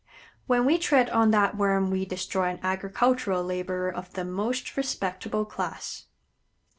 When we tread on that Worm we destroy an agricultural laborer of the most respectable class.